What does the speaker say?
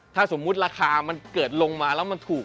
ถ้าสมมุติราคามันเกิดลงมาแล้วมันถูก